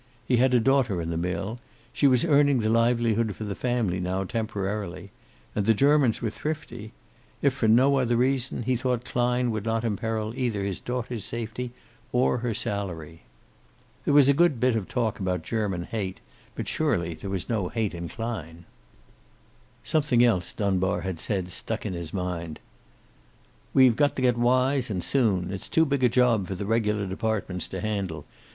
He had a daughter in the mill. She was earning the livelihood for the family now, temporarily. And the Germans were thrifty. If for no other reason he thought Klein would not imperil either his daughter's safety or her salary. There was a good bit of talk about German hate, but surely there was no hate in Klein. Something else Dunbar had said stuck in his mind. "We've got to get wise, and soon. It's too big a job for the regular departments to handle.